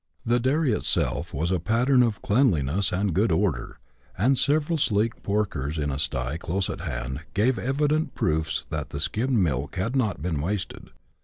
The dairy itself was a pattern of cleanliness and good order, and several sleek porkers in a sty close at hand gave evident proofs that the skimmed milk had not been wasted.